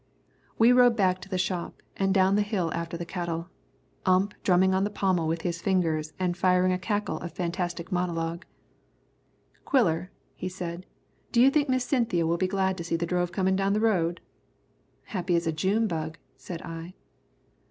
We rode back to the shop and down the hill after the cattle, Ump drumming on the pommel with his fingers and firing a cackle of fantastic monologue. "Quiller," he said, "do you think Miss Cynthia will be glad to see the drove comin' down the road?" "Happy as a June bug," said I.